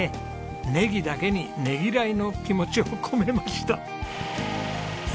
ネギだけにねぎらいの気持ちを込めました。